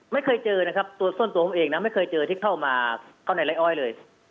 ไม่เคยเจอนะครับส่วนตัวผมเองนะไม่เคยเจอที่เข้ามาในไร้อ้อยเลย